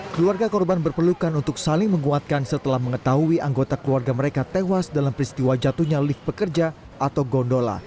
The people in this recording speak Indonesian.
keluarga korban berpelukan untuk saling menguatkan setelah mengetahui anggota keluarga mereka tewas dalam peristiwa jatuhnya lift pekerja atau gondola